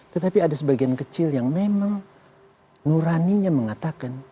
tetapi ada sebagian kecil yang memang nuraninya mengatakan